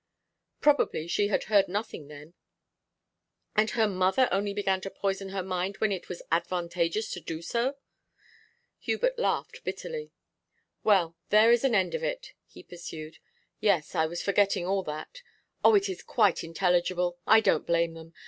'Probably she had heard nothing then.' 'And her mother only began to poison her mind when it was advantageous to do so?' Hubert laughed bitterly. 'Well, there is an end of it,' he pursued. 'Yes, I was forgetting all that. Oh, it is quite intelligible; I don't blame them.